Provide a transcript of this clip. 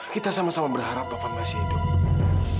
kita sama sama berharap tovan masih hidup